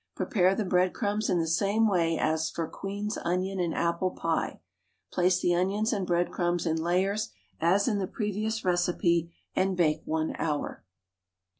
Prepare the breadcrumbs in the same way as for "Queen's Onion and Apple Pie," place the onions and breadcrumbs in layers as in the previous recipe, and bake 1 hour.